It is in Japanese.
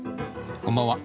こんばんは。